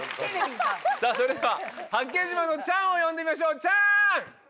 さぁそれでは八景島のチャンを呼んでみましょうチャン！